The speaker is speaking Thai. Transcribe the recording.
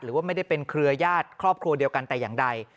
หรือว่าไม่ได้เป็นเครือญาติครอบครัวเดียวกันแต่อย่างใด